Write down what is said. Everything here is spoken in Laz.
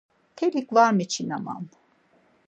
Mtelik var miçinaman.